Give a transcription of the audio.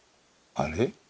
「あれ？」